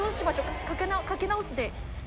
「かけ直す」で。